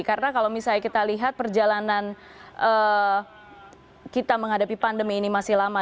karena kalau misalnya kita lihat perjalanan kita menghadapi pandemi ini masih lama